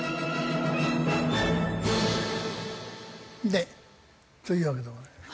でというわけでございます。